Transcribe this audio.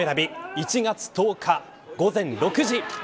１月１０日午前６時。